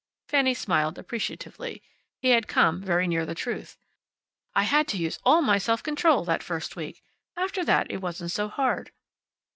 Fanny smiled, appreciatively. He had come very near the truth. "I had to use all my self control, that first week. After that it wasn't so hard."